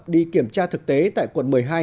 đi kiểm tra thực tế tại quận một mươi hai